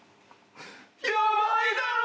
ヤバいだろ！